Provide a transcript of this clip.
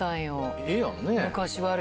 ええやん。